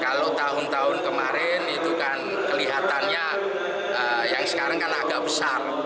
kalau tahun tahun kemarin itu kan kelihatannya yang sekarang kan agak besar